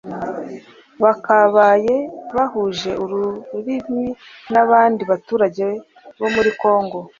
bakabaye bahuje ururimi n'abandi baturage bo muri Congo